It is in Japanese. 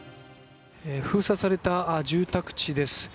封鎖された住宅地です。